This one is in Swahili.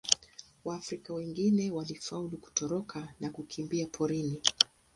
Waafrika wengine walifaulu kutoroka na kukimbia porini.